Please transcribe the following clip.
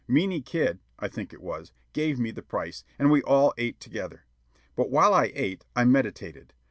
Meeny Kid, I think it was, gave me the price, and we all ate together. But while I ate, I meditated.